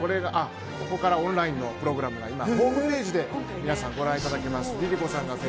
ここからオンラインのプログラムがホームページで皆さん、ご覧いただけますので、ご参加ください。